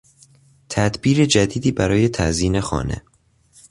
تدبیر جدیدی برای تزیین خانه